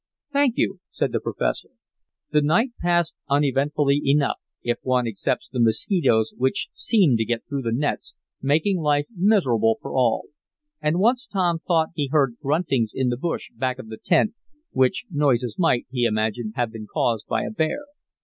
"Thank you," said the professor. The night passed uneventfully enough, if one excepts the mosquitoes which seemed to get through the nets, making life miserable for all. And once Tom thought he heard gruntings in the bush back of the tent, which noises might, he imagined, have been caused by a bear.